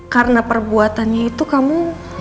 karena perbuatannya itu kamu